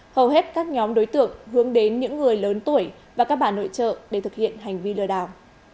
hầu hết các nhóm đối tượng hướng đến những người lớn tuổi và các bà nội trợ để thực hiện hành vi lừa đảo